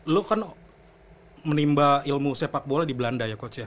lo kan menimba ilmu sepak bola di belanda ya coach ya